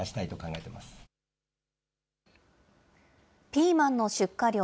ピーマンの出荷量